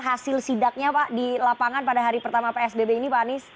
hasil sidaknya pak di lapangan pada hari pertama psbb ini pak anies